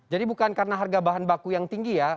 jadi bukan karena harga bahan baku yang tinggi ya